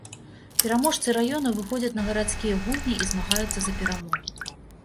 Пераможцы раёнаў выходзяць на гарадскія гульні і змагаюцца за перамогу.